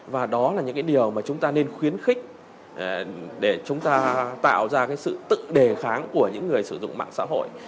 và đó là những cái điều mà chúng ta nên khuyến khích để chúng ta tạo ra cái sự tự đề kháng của những người sử dụng mạng xã hội